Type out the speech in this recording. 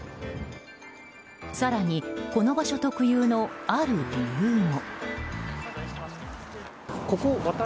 更に、この場所特有のある理由も。